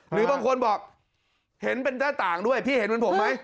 หรือบางคนบอกเห็นเป็นหน้าต่างด้วยพี่เห็นเหมือนผมไหม